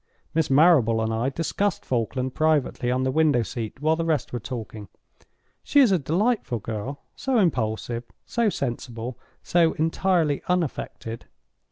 Miss Marrable and I discussed Falkland privately on the window seat while the rest were talking. She is a delightful girl—so impulsive, so sensible, so entirely unaffected.